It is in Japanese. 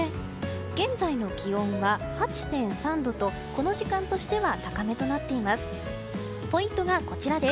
現在の気温は８．３度とこの時間としては高めとなっています。